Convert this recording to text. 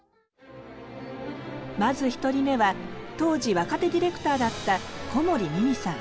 まず１人目は当時若手ディレクターだった小森美巳さん。